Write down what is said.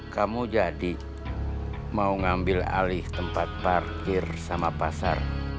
kamu jadi mau ngambil alih tempat parkir sama pasar